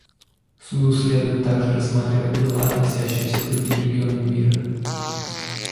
Суду следует также рассматривать дела, относящиеся к другим регионам мира.